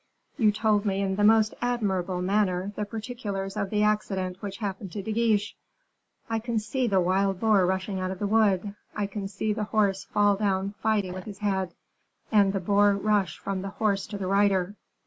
"You told me in the most admirable manner the particulars of the accident which happened to Guiche. I can see the wild boar rushing out of the wood I can see the horse fall down fighting with his head, and the boar rush from the horse to the rider.